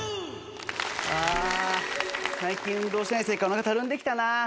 ああ最近運動してないせいかお腹たるんできたな。